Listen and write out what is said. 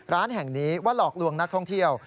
ร้านแห่งนี้ว่าหลอกลวงนักท่องเที่ยว